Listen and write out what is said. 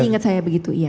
seingat saya begitu